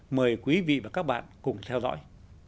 mời quý vị và các bạn cùng theo dõi